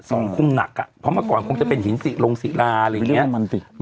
คุมหนักอ่ะเพราะเมื่อก่อนคงจะเป็นหินสิลงศิลาอะไรอย่างเงี้ยมันสิ